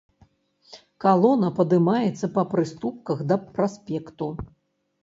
Калона падымаецца па прыступках да праспекту.